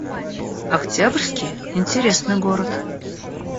Октябрьский — интересный город